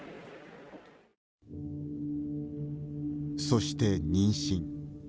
そして、妊娠。